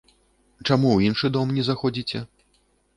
Чаму ў іншы дом не заходзіце?